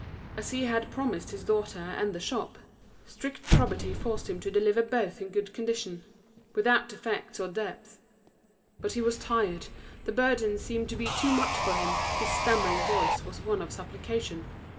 As he had promised his daughter and the shop, strict probity forced him to deliver both in good condition, without defects or debts. But he was tired, the burden seemed to be too much for him, his stammering voice was one of supplication.